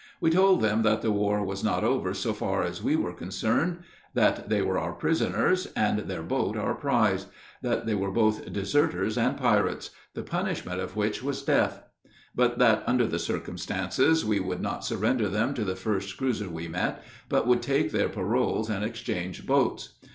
We told them that the war was not over so far as we were concerned; that they were our prisoners, and their boat our prize; that they were both deserters and pirates, the punishment of which was death; but that under the circumstances we would not surrender them to the first cruiser we met, but would take their paroles and exchange boats.